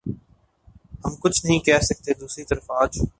ہم کچھ نہیں کہہ سکتے دوسری طرف آج